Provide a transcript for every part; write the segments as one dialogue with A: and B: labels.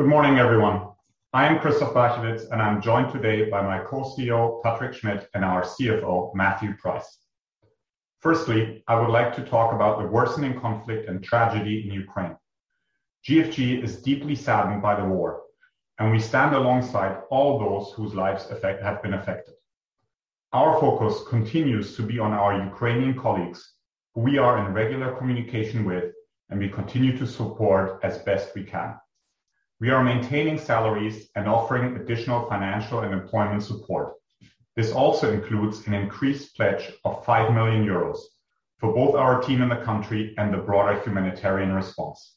A: Good morning, everyone. I am Christoph Barchewitz, and I'm joined today by my co-CEO, Patrick Schmidt, and our CFO, Matthew Price. Firstly, I would like to talk about the worsening conflict and tragedy in Ukraine. GFG is deeply saddened by the war, and we stand alongside all those whose lives have been affected. Our focus continues to be on our Ukrainian colleagues who we are in regular communication with, and we continue to support as best we can. We are maintaining salaries and offering additional financial and employment support. This also includes an increased pledge of 5 million euros for both our team in the country and the broader humanitarian response.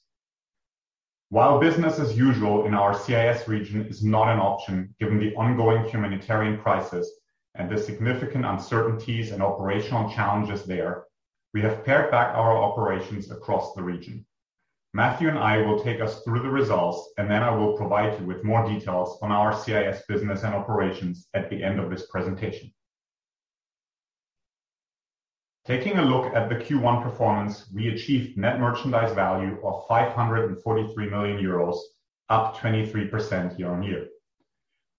A: While business as usual in our CIS region is not an option, given the ongoing humanitarian crisis and the significant uncertainties and operational challenges there, we have pared back our operations across the region. Matthew and I will take us through the results, and then I will provide you with more details on our CIS business and operations at the end of this presentation. Taking a look at the Q1 performance, we achieved net merchandise value of 543 million euros, up 23% year-on-year.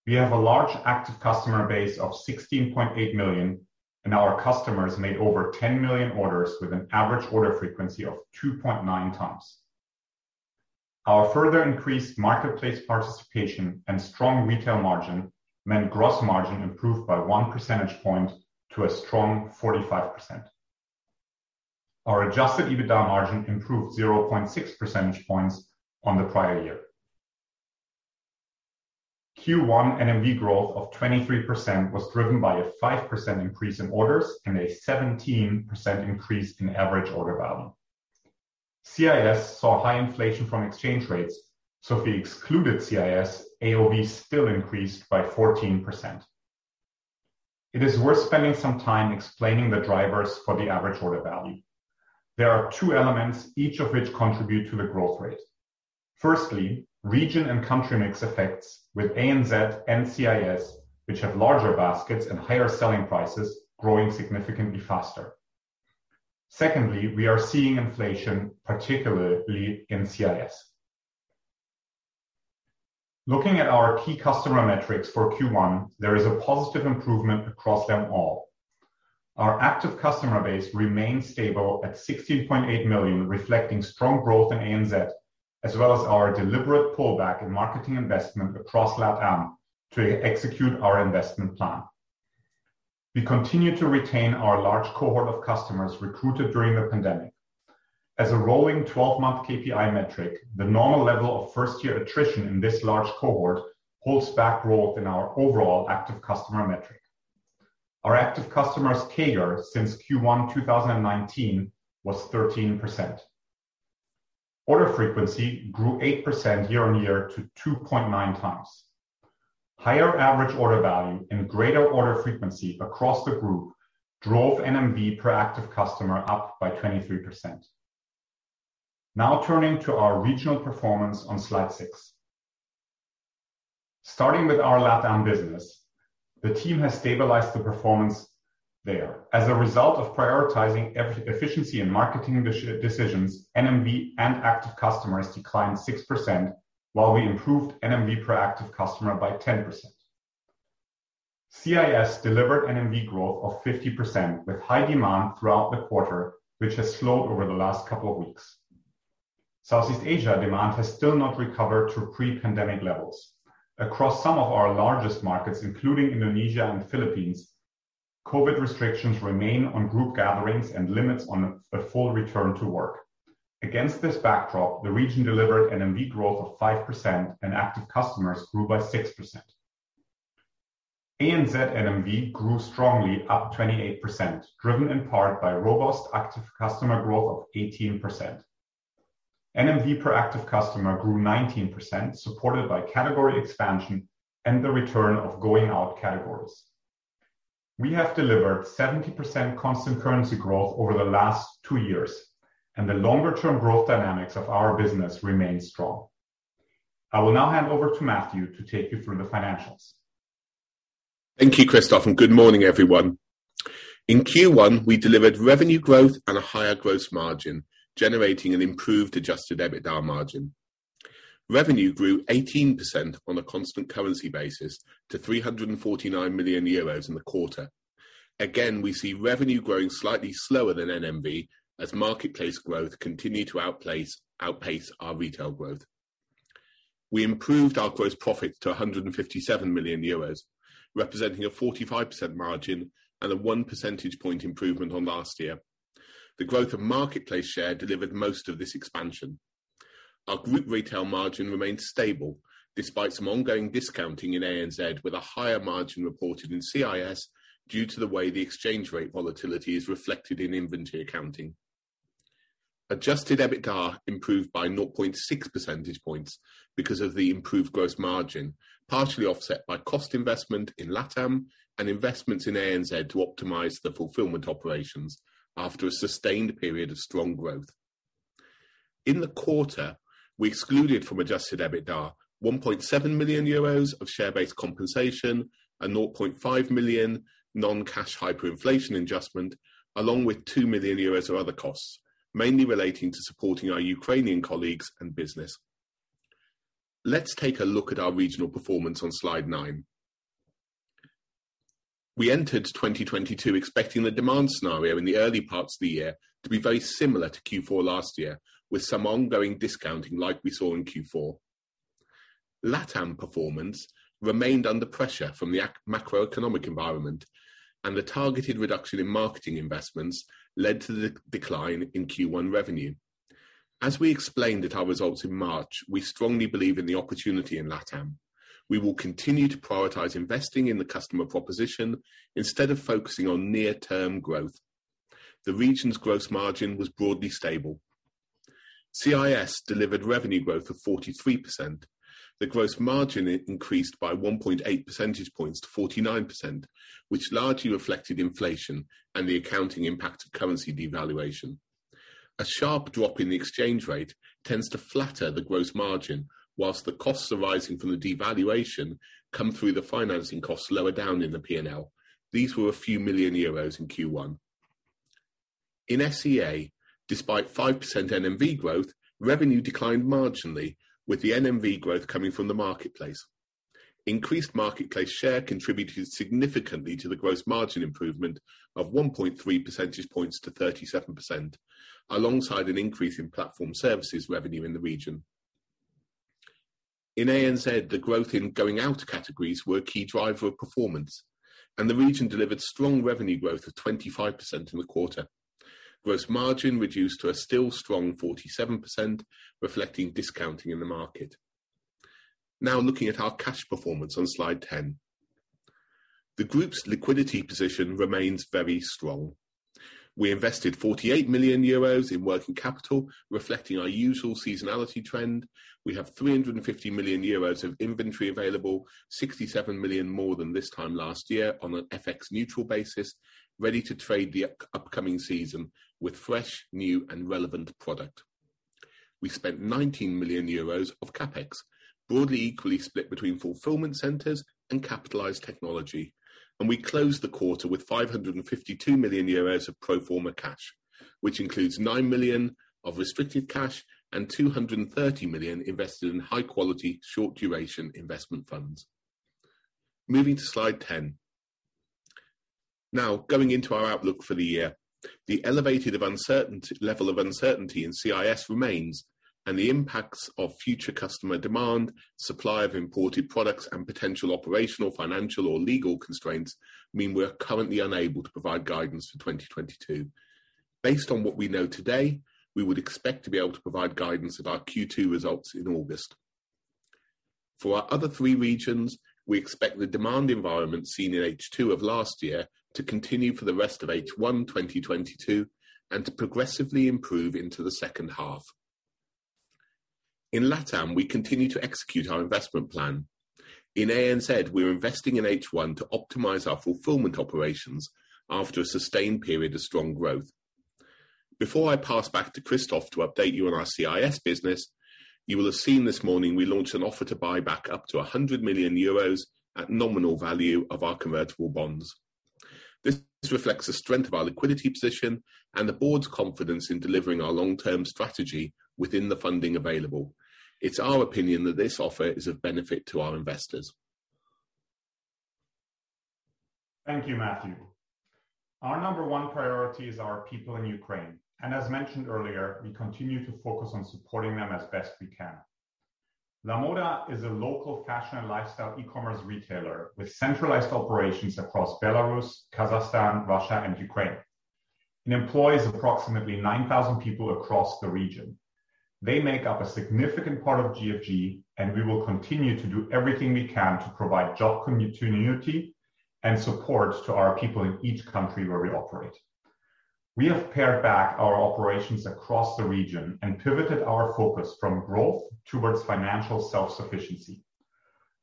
A: We have a large active customer base of 16.8 million, and our customers made over 10 million orders with an average order frequency of 2.9x. Our further increased marketplace participation and strong retail margin meant gross margin improved by 1 percentage point to a strong 45%. Our adjusted EBITDA margin improved 0.6 percentage points on the prior year. Q1 NMV growth of 23% was driven by a 5% increase in orders and a 17% increase in average order value. CIS saw high inflation from exchange rates, so if we excluded CIS, AOV still increased by 14%. It is worth spending some time explaining the drivers for the average order value. There are two elements, each of which contribute to the growth rate. Firstly, region and country mix effects with ANZ and CIS, which have larger baskets and higher selling prices, growing significantly faster. Secondly, we are seeing inflation, particularly in CIS. Looking at our key customer metrics for Q1, there is a positive improvement across them all. Our active customer base remains stable at 16.8 million, reflecting strong growth in ANZ, as well as our deliberate pullback in marketing investment across LatAm to execute our investment plan. We continue to retain our large cohort of customers recruited during the pandemic. As a rolling 12-month KPI metric, the normal level of first-year attrition in this large cohort holds back growth in our overall active customer metric. Our active customers CAGR since Q1 2019 was 13%. Order frequency grew 8% year-on-year to 2.9x. Higher average order value and greater order frequency across the group drove NMV per active customer up by 23%. Now turning to our regional performance on slide six. Starting with our LatAm business, the team has stabilized the performance there. As a result of prioritizing efficiency in marketing decisions, NMV and active customers declined 6%, while we improved NMV per active customer by 10%. CIS delivered NMV growth of 50%, with high demand throughout the quarter, which has slowed over the last couple of weeks. Southeast Asia demand has still not recovered to pre-pandemic levels. Across some of our largest markets, including Indonesia and Philippines, COVID restrictions remain on group gatherings and limits on a full return to work. Against this backdrop, the region delivered NMV growth of 5% and active customers grew by 6%. ANZ NMV grew strongly up 28%, driven in part by robust active customer growth of 18%. NMV per active customer grew 19%, supported by category expansion and the return of going out categories. We have delivered 70% constant currency growth over the last two years, and the longer-term growth dynamics of our business remain strong. I will now hand over to Matthew to take you through the financials.
B: Thank you, Christoph, and good morning, everyone. In Q1, we delivered revenue growth and a higher gross margin, generating an improved adjusted EBITDA margin. Revenue grew 18% on a constant currency basis to 349 million euros in the quarter. Again, we see revenue growing slightly slower than NMV as marketplace growth continued to outpace our retail growth. We improved our gross profits to 157 million euros, representing a 45% margin and a 1 percentage point improvement on last year. The growth of marketplace share delivered most of this expansion. Our group retail margin remained stable despite some ongoing discounting in ANZ, with a higher margin reported in CIS due to the way the exchange rate volatility is reflected in inventory accounting. Adjusted EBITDA improved by 0.6 percentage points because of the improved gross margin, partially offset by cost investment in LatAm and investments in ANZ to optimize the fulfillment operations after a sustained period of strong growth. In the quarter, we excluded from adjusted EBITDA 1.7 million euros of share-based compensation, a 0.5 million non-cash hyperinflation adjustment, along with 2 million euros of other costs, mainly relating to supporting our Ukrainian colleagues and business. Let's take a look at our regional performance on slide nine. We entered 2022 expecting the demand scenario in the early parts of the year to be very similar to Q4 last year, with some ongoing discounting like we saw in Q4. LatAm performance remained under pressure from the macroeconomic environment, and the targeted reduction in marketing investments led to the decline in Q1 revenue. As we explained at our results in March, we strongly believe in the opportunity in LatAm. We will continue to prioritize investing in the customer proposition instead of focusing on near-term growth. The region's gross margin was broadly stable. CIS delivered revenue growth of 43%. The gross margin increased by 1.8 percentage points to 49%, which largely reflected inflation and the accounting impact of currency devaluation. A sharp drop in the exchange rate tends to flatter the gross margin, while the costs arising from the devaluation come through the financing costs lower down in the P&L. These were a few million EUR in Q1. In SEA, despite 5% NMV growth, revenue declined marginally, with the NMV growth coming from the marketplace. Increased marketplace share contributed significantly to the gross margin improvement of 1.3 percentage points to 37%, alongside an increase in platform services revenue in the region. In ANZ, the growth in going out categories were a key driver of performance, and the region delivered strong revenue growth of 25% in the quarter. Gross margin reduced to a still strong 47%, reflecting discounting in the market. Now looking at our cash performance on slide 10. The group's liquidity position remains very strong. We invested 48 million euros in working capital, reflecting our usual seasonality trend. We have 350 million euros of inventory available, 67 million more than this time last year on an FX neutral basis, ready to trade the upcoming season with fresh, new and relevant product. We spent 19 million euros of CapEx, broadly equally split between fulfillment centers and capitalized technology. We closed the quarter with 552 million euros of pro forma cash, which includes 9 million of restricted cash and 230 million invested in high quality short duration investment funds. Moving to slide 10. Now, going into our outlook for the year. The elevated level of uncertainty in CIS remains, and the impacts of future customer demand, supply of imported products, and potential operational, financial, or legal constraints mean we are currently unable to provide guidance for 2022. Based on what we know today, we would expect to be able to provide guidance of our Q2 results in August. For our other three regions, we expect the demand environment seen in H2 of last year to continue for the rest of H1 2022 and to progressively improve into the second half. In LatAm, we continue to execute our investment plan. In ANZ, we're investing in H1 to optimize our fulfillment operations after a sustained period of strong growth. Before I pass back to Christoph to update you on our CIS business, you will have seen this morning we launched an offer to buy back up to 100 million euros at nominal value of our convertible bonds. This reflects the strength of our liquidity position and the board's confidence in delivering our long-term strategy within the funding available. It's our opinion that this offer is of benefit to our investors.
A: Thank you, Matthew. Our number one priority is our people in Ukraine, and as mentioned earlier, we continue to focus on supporting them as best we can. Lamoda is a local fashion and lifestyle e-commerce retailer with centralized operations across Belarus, Kazakhstan, Russia, and Ukraine, and employs approximately 9,000 people across the region. They make up a significant part of GFG, and we will continue to do everything we can to provide job continuity and support to our people in each country where we operate. We have pared back our operations across the region and pivoted our focus from growth towards financial self-sufficiency.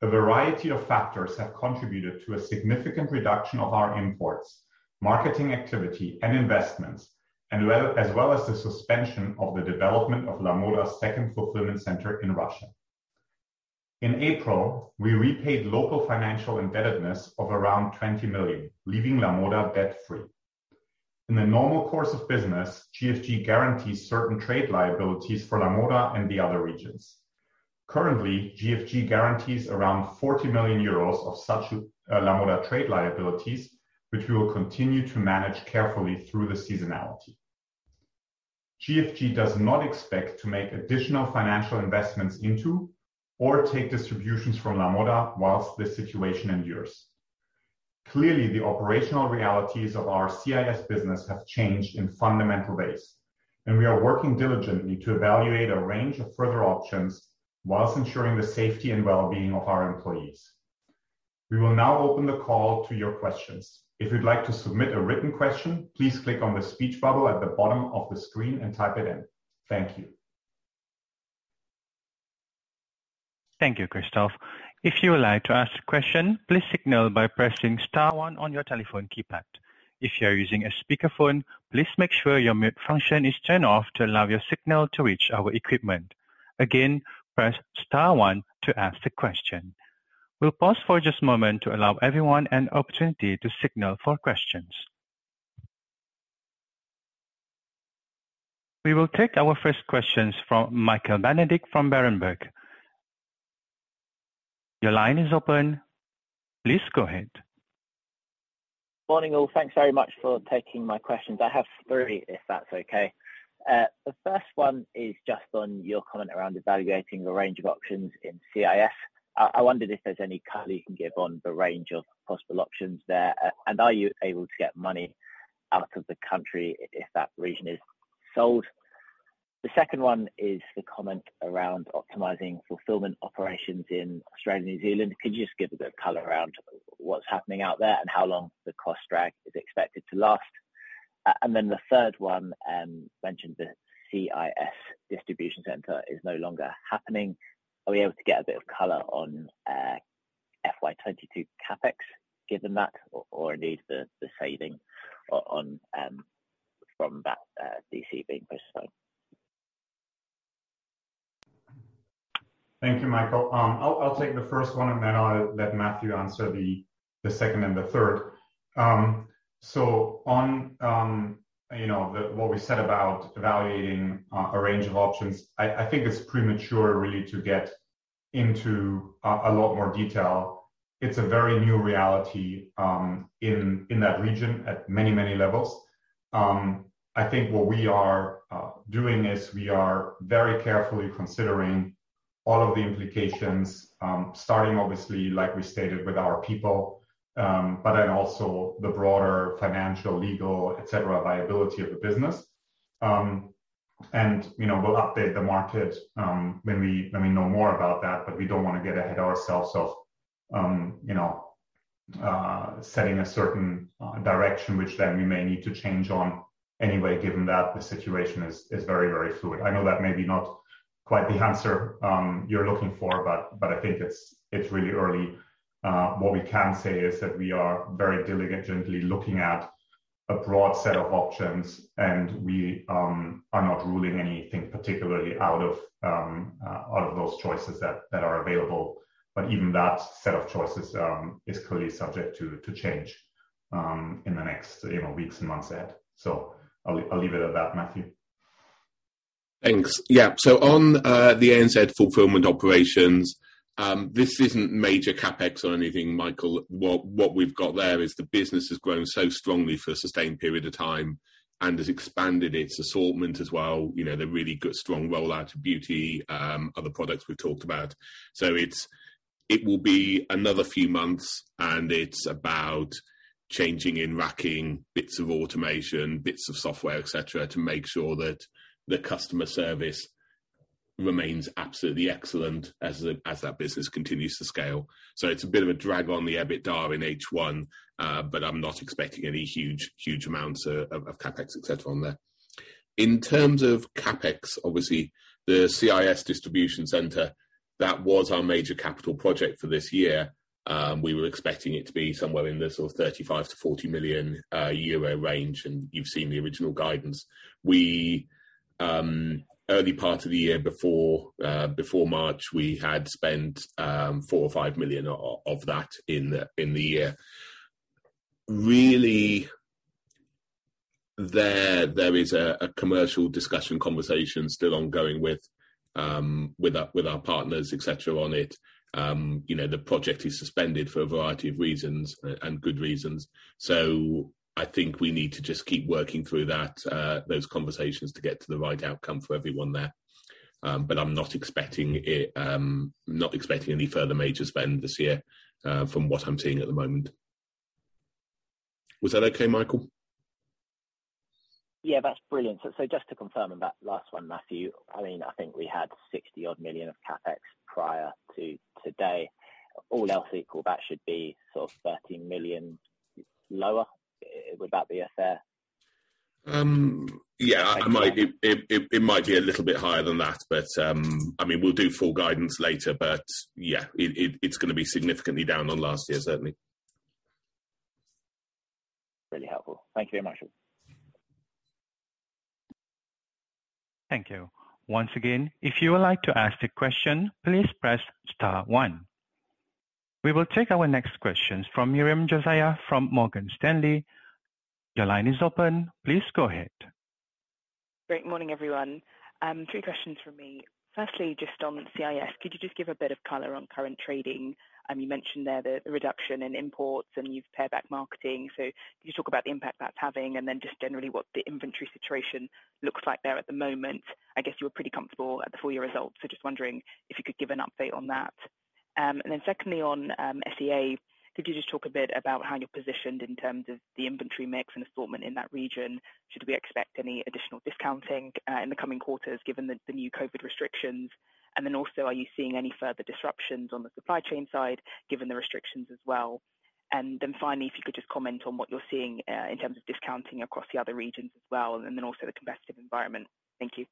A: A variety of factors have contributed to a significant reduction of our imports, marketing activity and investments, and well, as well as the suspension of the development of Lamoda's second fulfillment center in Russia. In April, we repaid local financial indebtedness of around 20 million, leaving Lamoda debt-free. In the normal course of business, GFG guarantees certain trade liabilities for Lamoda and the other regions. Currently, GFG guarantees around 40 million euros of such, Lamoda trade liabilities, which we will continue to manage carefully through the seasonality. GFG does not expect to make additional financial investments into or take distributions from Lamoda while this situation endures. Clearly, the operational realities of our CIS business have changed in fundamental ways, and we are working diligently to evaluate a range of further options while ensuring the safety and well-being of our employees. We will now open the call to your questions. If you'd like to submit a written question, please click on the speech bubble at the bottom of the screen and type it in. Thank you.
C: Thank you, Christoph. If you would like to ask a question, please signal by pressing star one on your telephone keypad. If you are using a speakerphone, please make sure your mute function is turned off to allow your signal to reach our equipment. Again, press star one to ask the question. We'll pause for just a moment to allow everyone an opportunity to signal for questions. We will take our first questions from Michael Benedict from Berenberg. Your line is open. Please go ahead.
D: Morning, all. Thanks very much for taking my questions. I have three, if that's okay. The first one is just on your comment around evaluating a range of options in CIS. I wonder if there's any color you can give on the range of possible options there. And are you able to get money out of the country if that region is sold? The second one is the comment around optimizing fulfillment operations in Australia and New Zealand. Could you just give a bit of color around what's happening out there and how long the cost drag is expected to last? And then the third one, you mentioned the CIS distribution center is no longer happening. Are we able to get a bit of color on FY 2022 CapEx, given that, or indeed the saving on from that DC being pushed on?
A: Thank you, Michael. I'll take the first one, and then I'll let Matthew answer the second and the third. What we said about evaluating a range of options, I think it's premature really to get into a lot more detail. It's a very new reality in that region at many levels. I think what we are doing is very carefully considering all of the implications, starting obviously, like we stated, with our people, but then also the broader financial, legal, et cetera, viability of the business. You know, we'll update the market when we know more about that, but we don't wanna get ahead of ourselves of you know, setting a certain direction which then we may need to change on anyway given that the situation is very fluid. I know that may be not quite the answer you're looking for, but I think it's really early. What we can say is that we are very diligently looking at a broad set of options and we are not ruling anything particularly out of those choices that are available. But even that set of choices is clearly subject to change in the next, you know, weeks and months ahead. I'll leave it at that, Matthew.
B: Thanks. Yeah, on the ANZ fulfillment operations, this isn't major CapEx or anything, Michael. What we've got there is the business has grown so strongly for a sustained period of time and has expanded its assortment as well, you know, the really good strong rollout of beauty, other products we've talked about. It will be another few months, and it's about changing in racking, bits of automation, bits of software, et cetera, to make sure that the customer service remains absolutely excellent as that business continues to scale. It's a bit of a drag on the EBITDA in H1, but I'm not expecting any huge amounts of CapEx et cetera on there. In terms of CapEx, obviously, the CIS distribution center, that was our major capital project for this year. We were expecting it to be somewhere in the sort of 35 million-40 million euro range, and you've seen the original guidance. Early part of the year before March, we had spent 4 or 5 million of that in the year. Really there is a commercial discussion conversation still ongoing with our partners et cetera on it. You know, the project is suspended for a variety of reasons and good reasons. I think we need to just keep working through those conversations to get to the right outcome for everyone there. But I'm not expecting any further major spend this year from what I'm seeing at the moment. Was that okay, Michael?
D: Yeah, that's brilliant. Just to confirm on that last one, Matthew, I mean, I think we had 60-odd million of CapEx prior to today. All else equal, that should be sort of 13 million lower. Would that be a fair-
B: Yeah.
D: Okay.
B: It might be a little bit higher than that, but I mean, we'll do full guidance later, but yeah, it's gonna be significantly down on last year, certainly.
D: Really helpful. Thank you very much.
C: Thank you. Once again, if you would like to ask a question, please press star one. We will take our next questions from Miriam Josiah from Morgan Stanley. Your line is open. Please go ahead.
E: Good morning, everyone. Two questions from me. Firstly, just on CIS. Could you just give a bit of color on current trading? You mentioned there the reduction in imports and you've pared back marketing, so could you talk about the impact that's having and then just generally what the inventory situation looks like there at the moment? I guess you were pretty comfortable at the full year results. Just wondering if you could give an update on that. Secondly on SEA, could you just talk a bit about how you're positioned in terms of the inventory mix and assortment in that region? Should we expect any additional discounting in the coming quarters given the new COVID restrictions? Then also, are you seeing any further disruptions on the supply chain side given the restrictions as well? Finally, if you could just comment on what you're seeing in terms of discounting across the other regions as well, and then also the competitive environment. Thank you.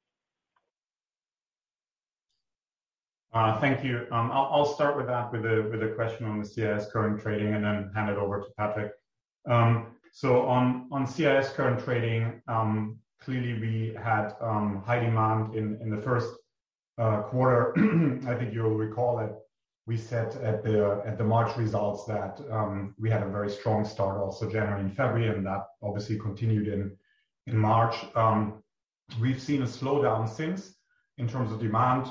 A: Thank you. I'll start with that, with the question on the CIS current trading and then hand it over to Patrick. So on CIS current trading, clearly we had high demand in the first quarter. I think you'll recall that we said at the March results that we had a very strong start also January and February, and that obviously continued in March. We've seen a slowdown since in terms of demand.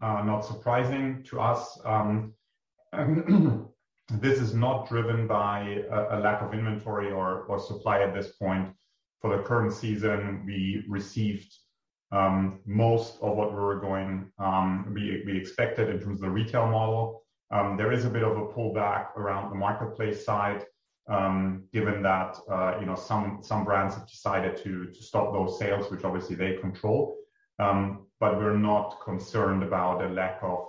A: Not surprising to us. This is not driven by a lack of inventory or supply at this point. For the current season, we received most of what we expected in terms of the retail model. There is a bit of a pullback around the marketplace side, given that, you know, some brands have decided to stop those sales, which obviously they control. We're not concerned about a lack of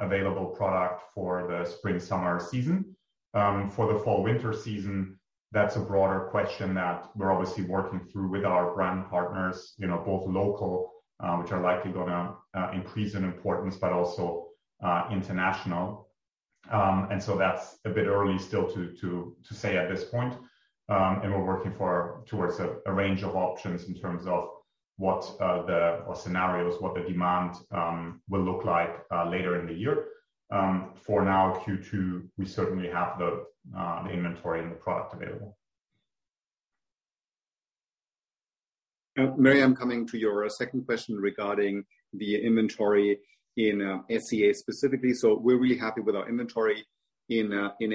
A: available product for the spring-summer season. For the fall-winter season, that's a broader question that we're obviously working through with our brand partners, you know, both local, which are likely gonna increase in importance, but also international. That's a bit early still to say at this point. We're working towards a range of options in terms of what or scenarios, what the demand will look like later in the year. For now, Q2, we certainly have the inventory and the product available.
F: Mariam, I'm coming to your second question regarding the inventory in SEA specifically. We're really happy with our inventory in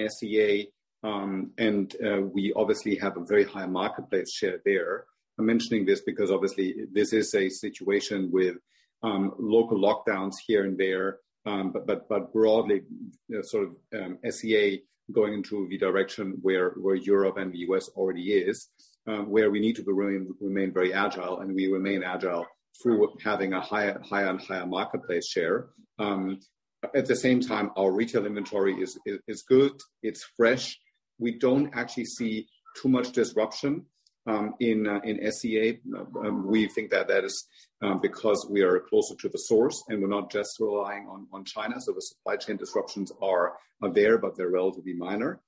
F: SEA. We obviously have a very high marketplace share there. I'm mentioning this because obviously this is a situation with local lockdowns here and there, broadly SEA going into the direction where Europe and the U.S. already is, where we need to remain very agile, and we remain agile through having a higher and higher marketplace share. At the same time, our retail inventory is good, it's fresh. We don't actually see too much disruption in SEA. We think that that is because we are closer to the source, and we're not just relying on China. The supply chain disruptions are there, but they're relatively minor.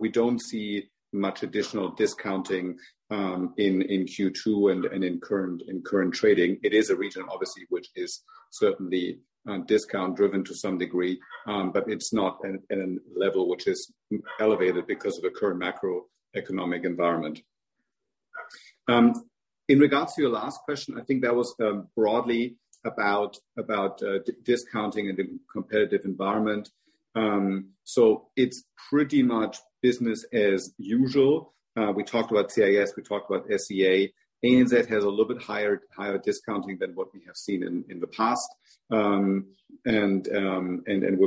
F: We don't see much additional discounting in Q2 and in current trading. It is a region obviously which is certainly discount driven to some degree, but it's not at a level which is elevated because of the current macroeconomic environment. In regards to your last question, I think that was broadly about discounting in the competitive environment. It's pretty much business as usual. We talked about CIS, we talked about SEA. ANZ has a little bit higher discounting than what we have seen in the past. We're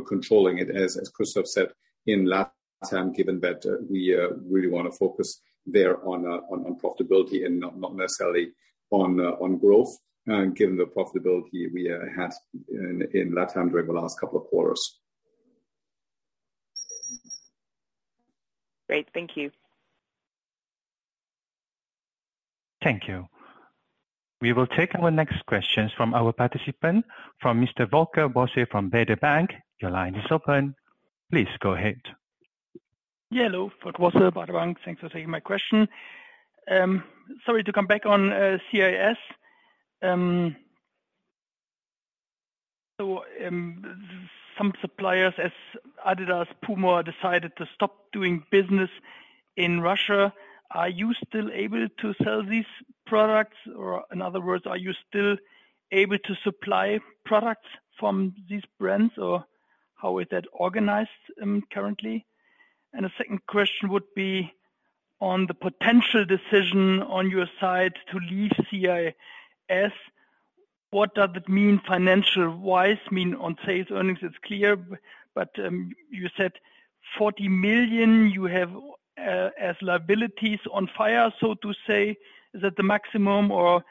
F: controlling it, as Christoph said in LatAm, given that we really wanna focus there on profitability and not necessarily on growth, given the profitability we had in LatAm during the last couple of quarters.
E: Great. Thank you.
C: Thank you. We will take our next questions from our participant, from Mr. Volker Bosse from Baader Bank. Your line is open. Please go ahead.
G: Yeah. Hello. Volker Bosse, Baader Bank. Thanks for taking my question. Sorry to come back on CIS. So, some suppliers as adidas, PUMA decided to stop doing business in Russia. Are you still able to sell these products? Or in other words, are you still able to supply products from these brands, or how is that organized currently? A second question would be on the potential decision on your side to leave CIS. What does it mean financial-wise? I mean, on sales earnings, it's clear, but you said 40 million you have as liabilities on fire, so to say. Is that the maximum or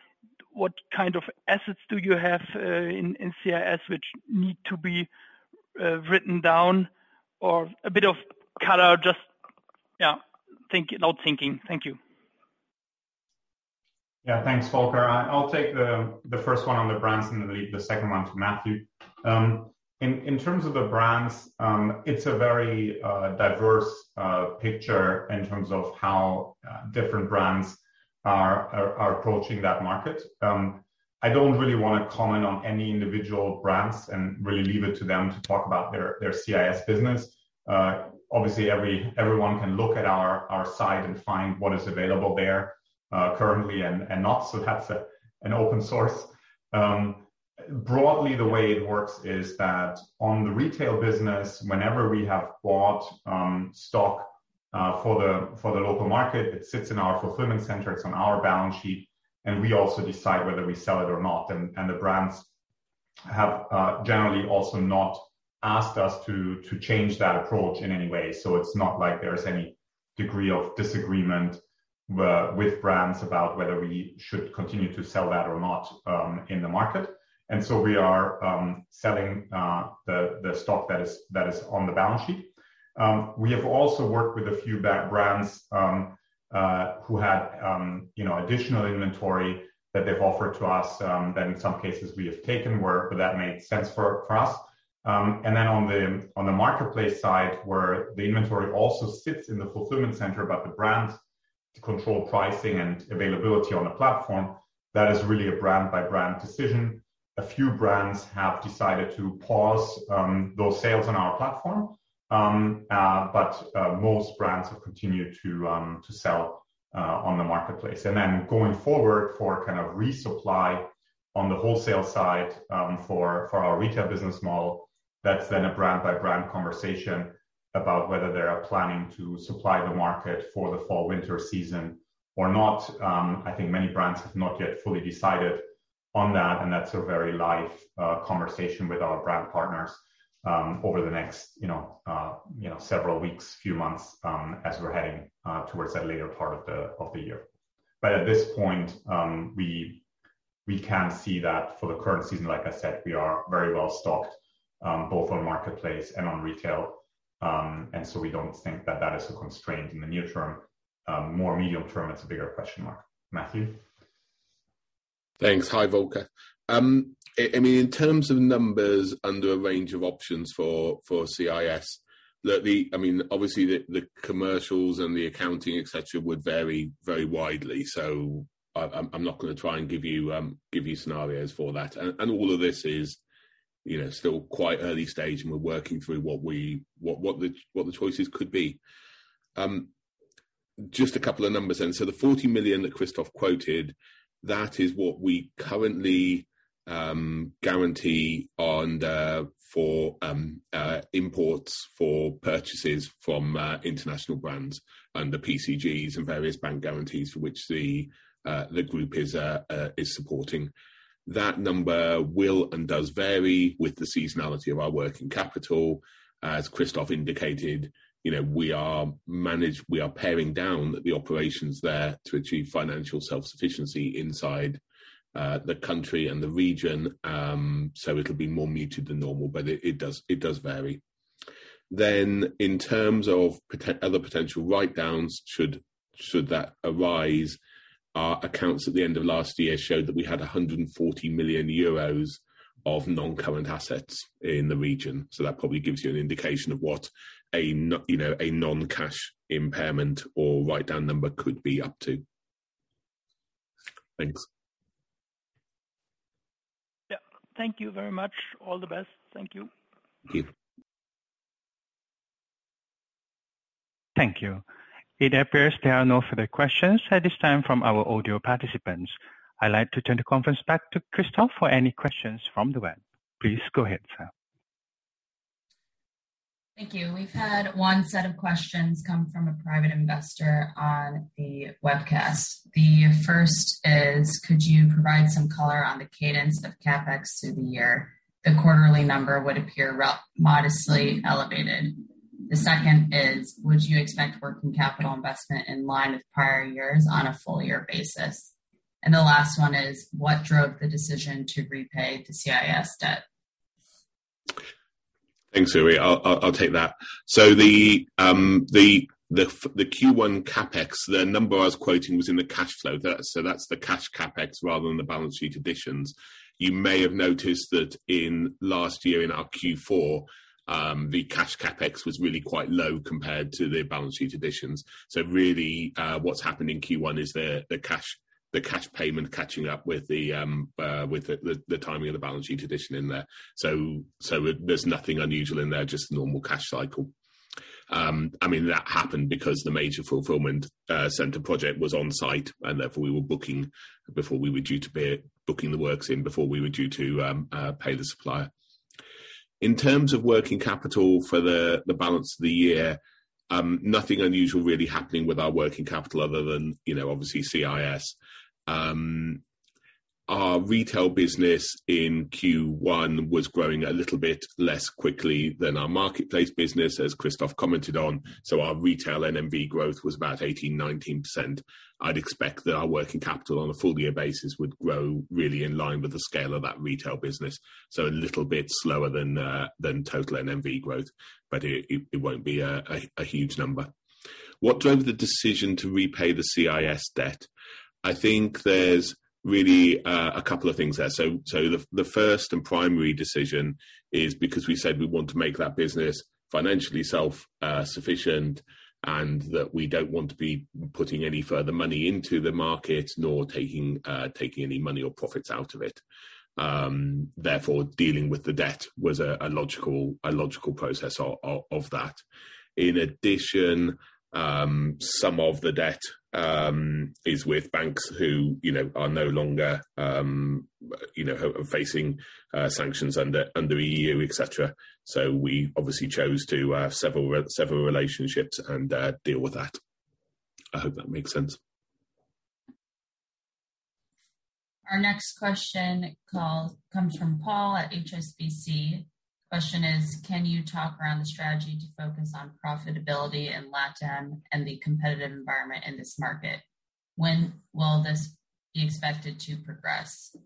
G: what kind of assets do you have in CIS which need to be written down? Or a bit of color. Thank you.
A: Yeah. Thanks, Volker. I'll take the first one on the brands and then leave the second one to Matthew. In terms of the brands, it's a very diverse picture in terms of how different brands are approaching that market. I don't really wanna comment on any individual brands and really leave it to them to talk about their CIS business. Obviously everyone can look at our site and find what is available there currently and not, so that's an open source. Broadly the way it works is that on the retail business, whenever we have bought stock for the local market, it sits in our fulfillment center, it's on our balance sheet, and we also decide whether we sell it or not. The brands have generally also not asked us to change that approach in any way. It's not like there's any degree of disagreement with brands about whether we should continue to sell that or not in the market. We are selling the stock that is on the balance sheet. We have also worked with a few brands who had, you know, additional inventory that they've offered to us that in some cases we have taken where that made sense for us. On the marketplace side where the inventory also sits in the fulfillment center about the brands to control pricing and availability on the platform, that is really a brand by brand decision. A few brands have decided to pause those sales on our platform. most brands have continued to sell on the marketplace. Then going forward for kind of resupply on the wholesale side, for our retail business model, that's then a brand by brand conversation about whether they are planning to supply the market for the fall/winter season or not. I think many brands have not yet fully decided on that, and that's a very live conversation with our brand partners over the next you know several weeks, few months, as we're heading towards that later part of the year. At this point, we can see that for the current season, like I said, we are very well stocked both on marketplace and on retail. We don't think that that is a constraint in the near term. More medium term, it's a bigger question mark. Matthew?
B: Thanks. Hi, Volker. I mean, in terms of numbers under a range of options for CIS, I mean, obviously the commercials and the accounting, et cetera, would vary very widely. I'm not gonna try and give you scenarios for that. All of this is, you know, still quite early stage, and we're working through what the choices could be. Just a couple of numbers then. The 40 million that Christoph quoted, that is what we currently guarantee on the imports for purchases from international brands under PCGs and various bank guarantees for which the group is supporting. That number will and does vary with the seasonality of our working capital. As Christoph indicated, you know, we are paring down the operations there to achieve financial self-sufficiency inside the country and the region. It'll be more muted than normal, but it does vary. In terms of other potential write-downs, should that arise, our accounts at the end of last year showed that we had 140 million euros of non-current assets in the region. That probably gives you an indication of what, you know, a non-cash impairment or write-down number could be up to. Thanks.
G: Yeah. Thank you very much. All the best. Thank you.
B: Thank you.
C: Thank you. It appears there are no further questions at this time from our audio participants. I'd like to turn the conference back to Christoph for any questions from the web. Please go ahead, Zoe.
H: Thank you. We've had one set of questions come from a private investor on the webcast. The first is, could you provide some color on the cadence of CapEx through the year? The quarterly number would appear modestly elevated. The second is, would you expect working capital investment in line with prior years on a full year basis? The last one is, what drove the decision to repay the CIS debt?
B: Thanks, Zoe. I'll take that. The Q1 CapEx, the number I was quoting was in the cash flow there. That's the cash CapEx rather than the balance sheet additions. You may have noticed that in last year in our Q4, the cash CapEx was really quite low compared to the balance sheet additions. Really, what's happened in Q1 is the cash payment catching up with the timing of the balance sheet addition in there. There's nothing unusual in there, just normal cash cycle. I mean, that happened because the major fulfillment center project was on site, and therefore we were booking before we were due to pay, booking the works in before we were due to pay the supplier. In terms of working capital for the balance of the year, nothing unusual really happening with our working capital other than, you know, obviously CIS. Our retail business in Q1 was growing a little bit less quickly than our marketplace business, as Christoph commented on. Our retail NMV growth was about 18%-19%. I'd expect that our working capital on a full year basis would grow really in line with the scale of that retail business. A little bit slower than total NMV growth, but it won't be a huge number. What drove the decision to repay the CIS debt? I think there's really a couple of things there. The first and primary decision is because we said we want to make that business financially self-sufficient, and that we don't want to be putting any further money into the market, nor taking any money or profits out of it. Therefore, dealing with the debt was a logical process of that. In addition, some of the debt is with banks who, you know, are no longer, you know, facing sanctions under EU, et cetera. We obviously chose to sever relationships and deal with that. I hope that makes sense.
H: Our next question call comes from Paul at HSBC. Question is, can you talk around the strategy to focus on profitability in LatAm and the competitive environment in this market? When will this be expected to progress?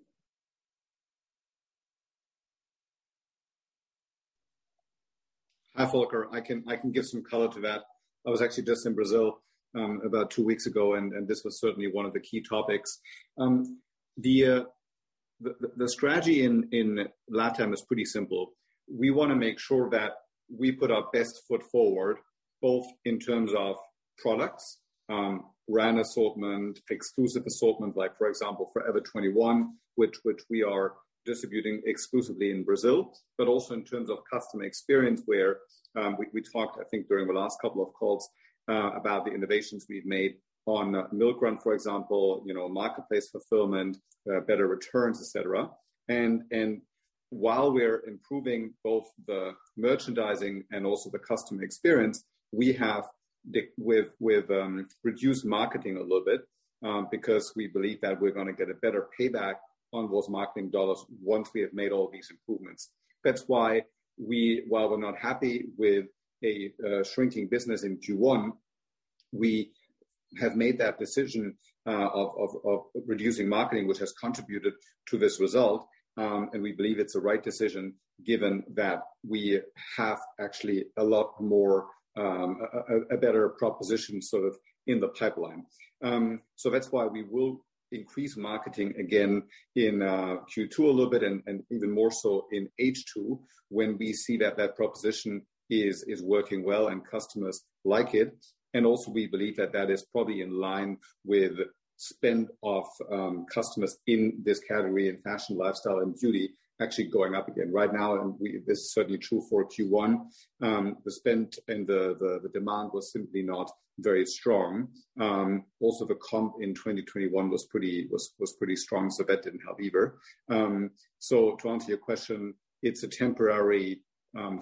A: Hi, Volker. I can give some color to that. I was actually just in Brazil about two weeks ago, and this was certainly one of the key topics.
F: The strategy in LatAm is pretty simple. We wanna make sure that we put our best foot forward, both in terms of products, brand assortment, exclusive assortment, like for example, Forever 21, which we are distributing exclusively in Brazil, but also in terms of customer experience where we talked, I think during the last couple of calls, about the innovations we've made on Milk Run, for example, you know, marketplace fulfillment, better returns, et cetera. While we're improving both the merchandising and also the customer experience with reduced marketing a little bit, because we believe that we're gonna get a better payback on those marketing dollars once we have made all these improvements. That's why we, while we're not happy with a shrinking business in Q1, we have made that decision of reducing marketing, which has contributed to this result. We believe it's the right decision given that we have actually a lot more a better proposition sort of in the pipeline. That's why we will increase marketing again in Q2 a little bit and even more so in H2 when we see that that proposition is working well and customers like it. We believe that that is probably in line with spend of customers in this category in fashion, lifestyle and beauty actually going up again. Right now, this is certainly true for Q1, the spend and the demand was simply not very strong. Also the comp in 2021 was pretty strong, so that didn't help either. To answer your question, it's a temporary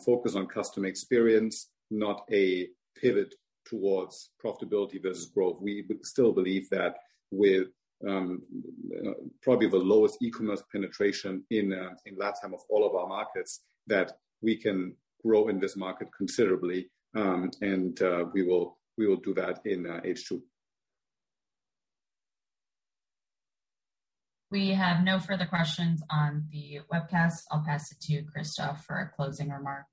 F: focus on customer experience, not a pivot towards profitability versus growth. We still believe that with you know probably the lowest e-commerce penetration in LatAm of all of our markets, that we can grow in this market considerably. We will do that in H2.
H: We have no further questions on the webcast. I'll pass it to you, Christoph, for a closing remark.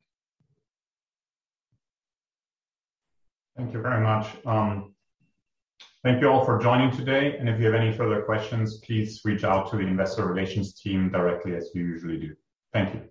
A: Thank you very much. Thank you all for joining today. If you have any further questions, please reach out to the investor relations team directly as you usually do. Thank you.